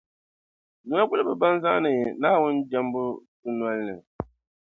dunoguliba bɛn zaani Naawuni jɛmbu duu dunol’ ni.